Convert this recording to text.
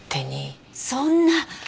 そんな！